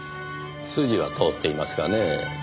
筋は通っていますがねぇ。